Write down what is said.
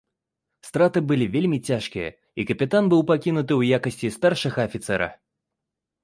Страты былі вельмі цяжкія, і капітан быў пакінуты ў якасці старшага афіцэра.